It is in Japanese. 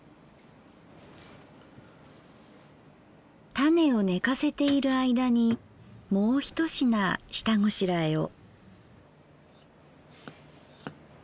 タネをねかせている間にもう一品下ごしらえを。